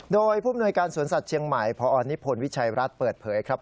โดยผู้มนวยการสวนสัตว์เชียงใหม่พอนิพลวิชัยรัฐเปิดเผยครับ